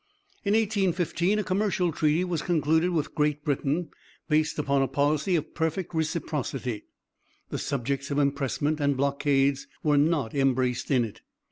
In 1815 a commercial treaty was concluded with Great Britain based upon a policy of perfect reciprocity. The subjects of impressment and blockades were not embraced in it.